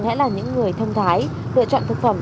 hãy là những người thông thái lựa chọn thực phẩm